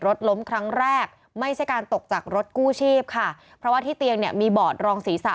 รถล้มครั้งแรกไม่ใช่การตกจากรถกู้ชีพค่ะเพราะว่าที่เตียงเนี่ยมีบอดรองศีรษะ